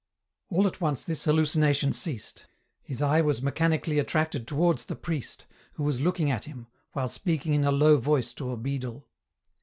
All at once this hallucination ceased ; his eye was me chanically attracted towards the priest, who was looking at him, while speaking in a low voice to a beadle.